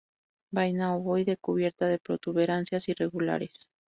Vaina ovoide, cubierta de protuberancias irregulares.